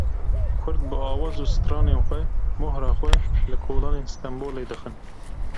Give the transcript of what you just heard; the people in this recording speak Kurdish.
Kurd bi awaz û stranên xwe mohra xwe li kolanên Stenbolê dixin.